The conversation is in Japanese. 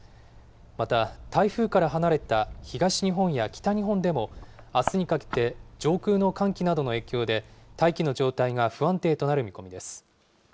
また、台風から離れた東日本や北日本でも、あすにかけて、上空の寒気などの影響で、大気の状態が不安定となる見込みです。